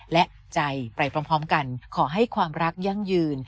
และใจไปพร้อมกันขอให้ความรักยั่งยืน